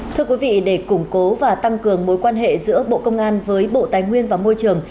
thưa quý vị để củng cố và tăng cường mối quan hệ giữa bộ công an với bộ tài nguyên và môi trường